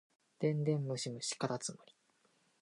電電ムシムシかたつむり